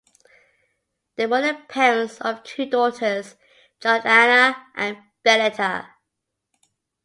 They were the parents of two daughters, Georgeanna and Benita.